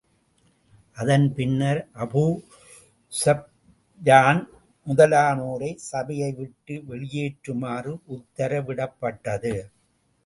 அதன் பின்னர், Abu Sufyan முதலானோரை சபையை விட்டு வெளியேறுமாறு உத்தரவிடப்பட்டது.